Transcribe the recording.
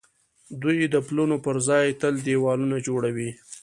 دوی د پلونو پر ځای تل دېوالونه جوړوي.